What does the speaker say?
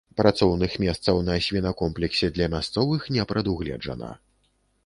Працоўных месцаў на свінакомплексе для мясцовых не прадугледжана.